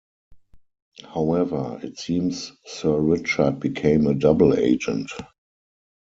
However, it seems Sir Richard became a double agent.